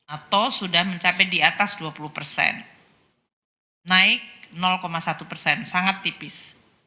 atau sudah mencapai di atas dua puluh persen naik satu persen sangat tipis